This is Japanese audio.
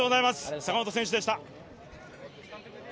坂本選手でした。